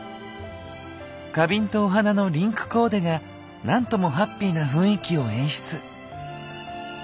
花瓶とお花のリンクコーデがなんともハッピーな雰囲気を演出。